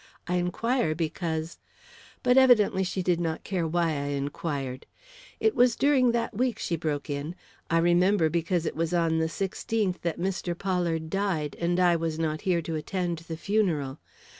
I inquire, because " But evidently she did not care why I inquired. "It was during that week," she broke in. "I remember because it was on the sixteenth that Mr. Pollard died, and I was not here to attend the funeral.